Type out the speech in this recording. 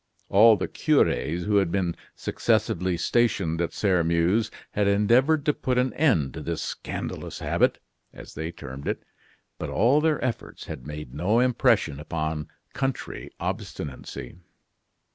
All the cures who had been successively stationed at Sairmeuse had endeavored to put an end to this scandalous habit, as they termed it; but all their efforts had made no impression upon country obstinacy.